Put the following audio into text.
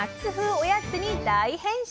おやつに大変身！